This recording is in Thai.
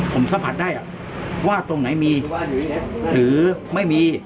ผมสัมผัสได้ว่าตรงไหนมีหรือไม่มี